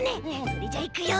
それじゃいくよ。